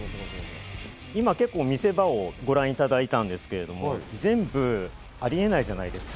今、結構見せ場をご覧いただいたんですけれども、全部ありえないじゃないですか。